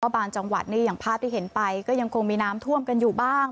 บางจังหวัดนี่อย่างภาพที่เห็นไปก็ยังคงมีน้ำท่วมกันอยู่บ้าง